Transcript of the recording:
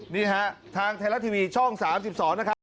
นี่ฮะทางไทยรัฐทีวีช่อง๓๒นะครับ